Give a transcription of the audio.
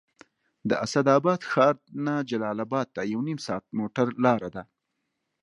د اسداباد ښار نه جلال اباد ته یو نیم ساعت د موټر لاره ده